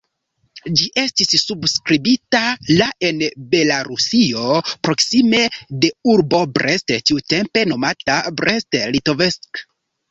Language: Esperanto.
Ĝi estis subskribita la en Belarusio, proksime de urbo Brest, tiutempe nomata "Brest-Litovsk'".